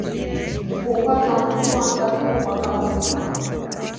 Hupata mvua karibu mwaka mzima.